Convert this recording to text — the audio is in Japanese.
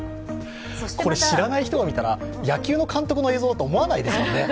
知らない人が見たら、野球の監督の映像だと思わないですよね。